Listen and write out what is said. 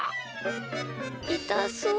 いたそう。